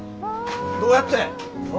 どうやって？